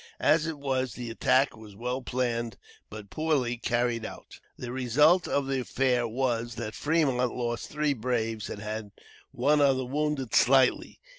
As it was, the attack was well planned, but poorly carried out. The result of the affair was, that Fremont lost three brave men, and had one other wounded slightly.